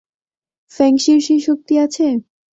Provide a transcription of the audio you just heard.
ফেংশির সেই শক্তি আছে?